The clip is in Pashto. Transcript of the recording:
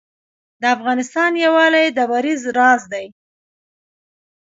د افغانستان یووالی د بری راز دی